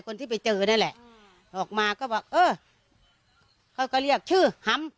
คนที่ไปเจอนั่นแหละออกมาก็บอกเออเขาก็เรียกชื่อหำ